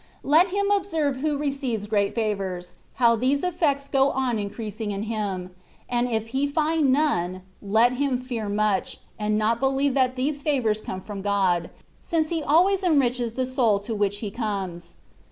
Let him observe who receives great favours, how these effects go on increasing in him : and if he find none, let him fear much, and not believe that these fiivours come from God, since He always enriches the soul to which He comes.